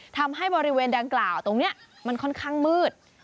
ทำให้บริเวณดังกล่าวตรงนี้มันค่อนข้างมืด